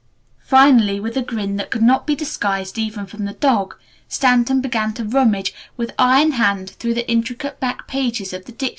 Finally with a grin that could not be disguised even from the dog, Stanton began to rummage with eye and hand through the intricate back pages of the dictionary.